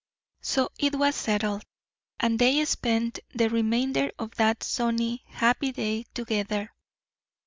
So it was settled, and they spent the remainder of that sunny, happy day together.